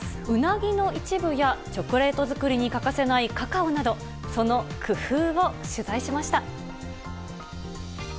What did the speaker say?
うなぎの一部や、チョコレート作りに欠かせないカカオなど、その工夫を取材しました。